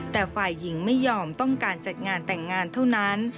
แต่ฝ่ายหญิงไม่ยอมต้องการจัดงานแต่งงานเท่านั้น